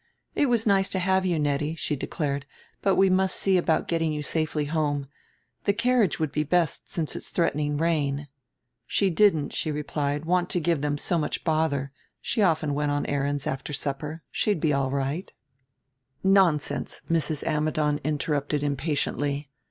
"It was nice to have you, Nettie," she declared; "but we must see about getting you safely home. The carriage would be best since it's threatening rain." She didn't, she replied, want to give them so much bother, she often went on errands after supper, she'd, be all right "Nonsense," Mrs. Ammidon interrupted impatiently.